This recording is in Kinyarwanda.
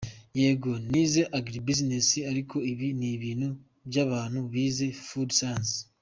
Yego nize Agri Business ariko ibi ni ibintu by’abantu bize food science.